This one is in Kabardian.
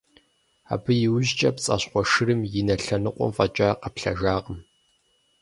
Абы и ужькӀэ пцӀащхъуэ шырым и нэ лъэныкъуэм фӀэкӀа къэплъэжакъым.